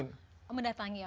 mendatangi ya oke